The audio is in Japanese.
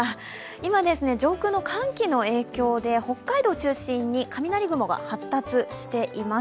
今、上空の寒気の影響で北海道を中心に雷雲が発達しています。